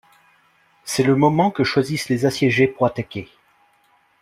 C'est le moment que choisissent les assiégés pour attaquer.